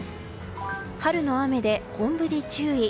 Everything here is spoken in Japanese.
春の雨で本降り注意。